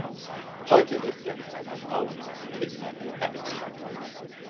Heute lebt er mit seiner Frau und seinen Kindern in Havixbeck.